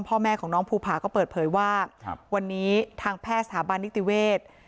พ่อแม่ของน้องภูผาก็เปิดเผยว่าวันนี้ทางแพทย์สถาบันนิติเวศ